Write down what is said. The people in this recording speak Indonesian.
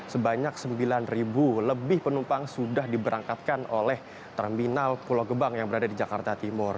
sebanyak sembilan lebih penumpang sudah diberangkatkan oleh terminal pulau gebang yang berada di jakarta timur